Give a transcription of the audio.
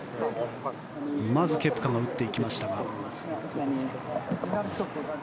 まずケプカが打っていきましたが。